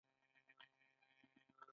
لوی پانګوال په بانکونو کې هم مقام لري